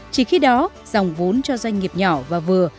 chỉ khi đó dòng vốn cho doanh nghiệp nhỏ và vừa